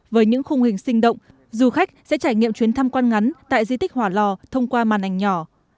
với những khung hình sinh động du khách sẽ trải nghiệm chuyến thăm quan ngắn tại di tích hỏa lò thông qua màn ảnh nhỏ